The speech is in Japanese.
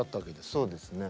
そうですね。